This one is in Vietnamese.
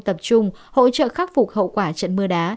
tập trung hỗ trợ khắc phục hậu quả trận mưa đá